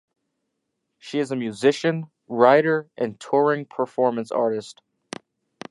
She is a musician, writer and a touring performance artist.